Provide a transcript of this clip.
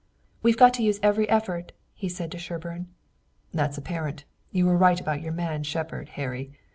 "We've got to use every effort," he said to Sherburne. "That's apparent. You were right about your man Shepard, Harry.